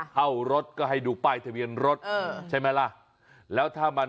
รถก็ให้ดูป้ายทะเบียนรถใช่ไหมล่ะแล้วถ้ามัน